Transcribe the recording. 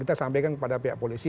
kita sampaikan kepada pihak polisi